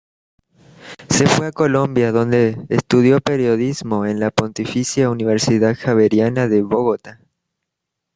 Se fue a Colombia donde estudió periodismo en la Pontificia Universidad Javeriana de Bogotá.